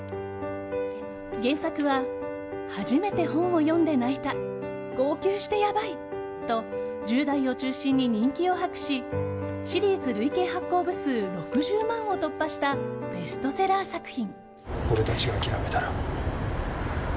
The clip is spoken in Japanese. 原作は初めて本を読んで泣いた号泣してやばいと１０代を中心に人気を博しシリーズ累計発行部数６０万を突破したベストセラー作品。